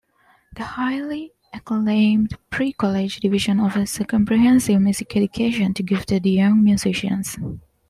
The highly acclaimed Pre-College Division offers a comprehensive music education to gifted young musicians.